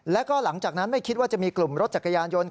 แล้วก็หลังจากนั้นไม่คิดว่าจะมีกลุ่มรถจักรยานยนต์